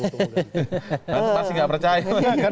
masih gak percaya